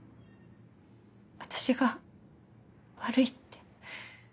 私が悪いって。